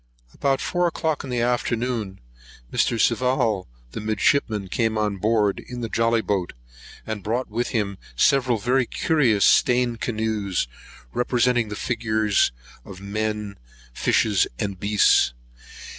About four o'clock in the afternoon, Mr. Sival the midshipman came on board in the jolly boat, and brought with him several very curious stained canoes, representing the figure of men, fishes, and beasts.